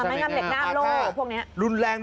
ไม่งามเหล็กงามโลกพวกนี้